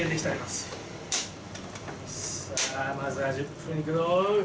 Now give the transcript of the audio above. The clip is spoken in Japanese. さあまずは１０分いくぞ。